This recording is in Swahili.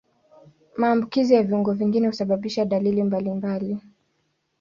Maambukizi ya viungo vingine husababisha dalili mbalimbali.